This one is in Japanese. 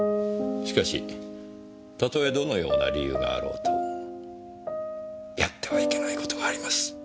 しかし例えどのような理由があろうとやってはいけない事はあります。